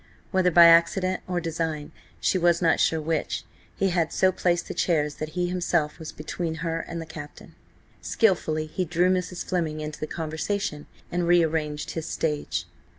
Whether by accident or design, she was not sure which, he had so placed the chairs that he himself was between her and the captain. Skilfully he drew Mrs. Fleming into the conversation, and rearranged his stage.